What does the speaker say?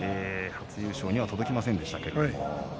初優勝には届きませんでした。